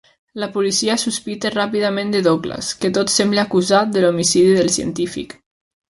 La policia sospita ràpidament de Douglas, que tot sembla acusar de l'homicidi del científic.